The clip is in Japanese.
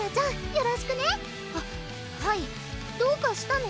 よろしくね！ははいどうかしたの？